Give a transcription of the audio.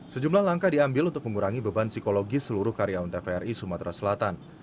sejumlah langkah diambil untuk mengurangi beban psikologis seluruh karyawan tvri sumatera selatan